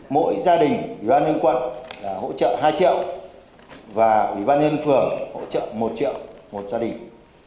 mỗi gia đình ủy ban nhân quận hỗ trợ hai triệu và ủy ban nhân phường hỗ trợ một triệu một gia đình